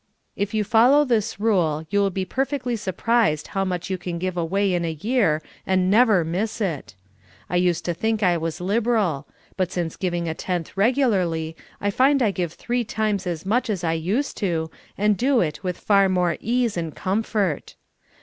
If 30U follow this rule, 3'ou will be perfectly sur prised how much you can give away in a 3'ear and never miss it. I used to think I w^as liberal ; but since giving a tenth regularly, I find I give three times as much as I used to, and do it with far more ease and comfort.